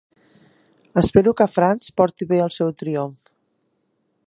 Espero que Franz porti bé el seu triomf.